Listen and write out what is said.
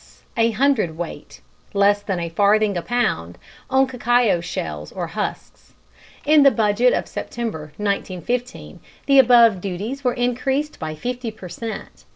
a hundredweight (less than a farthing a pound) on cacao shells or husks. In the Budget of September, 1915, the above duties were increased by fifty per cent.